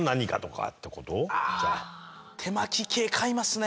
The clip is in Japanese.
手巻系買いますね。